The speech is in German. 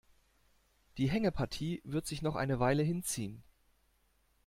Die Hängepartie wird sich noch eine Weile hinziehen.